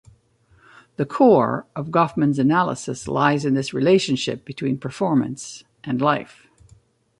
The core of Goffman's analysis lies in this relationship between performance and life.